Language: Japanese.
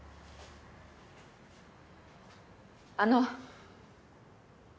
あの。